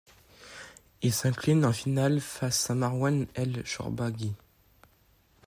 Il s'incline en finale face à Marwan El Shorbagy.